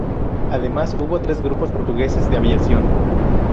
Además, hubo tres grupos portugueses de aviación.